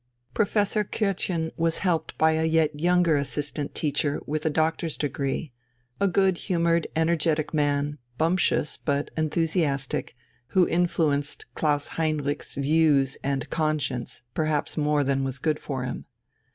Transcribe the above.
Professor Kürtchen was helped by a yet younger assistant teacher with a doctor's degree a good humoured, energetic man, bumptious but enthusiastic, who influenced Klaus Heinrich's views and conscience perhaps more than was good for him.